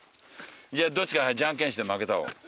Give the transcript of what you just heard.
じゃあどっちかじゃんけんして負けた方。